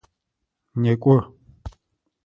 Некӏо!